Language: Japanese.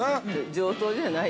◆上等じゃない？